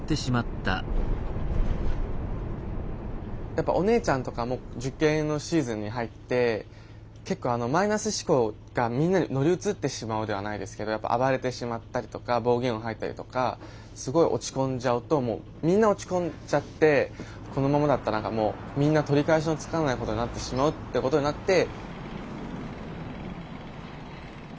やっぱお姉ちゃんとかも受験のシーズンに入って結構マイナス思考がみんなに乗り移ってしまうではないですけどやっぱ暴れてしまったりとか暴言を吐いたりとかすごい落ち込んじゃうともうみんな落ち込んじゃってこのままだったら何かもうみんな取り返しのつかないことになってしまうってことになって。